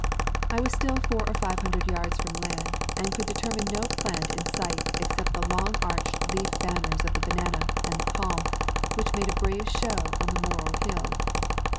I was still four or five hundred yards from land and could determine no plant in sight ex cepting the long arched leaf banners of the banana and the palm, which made a brave show on the Morro Hill.